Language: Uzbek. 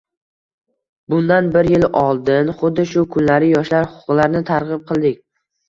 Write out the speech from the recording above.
Bundan bir yil oldin xuddi shu kunlari yoshlar huquqlarini targʻib qildik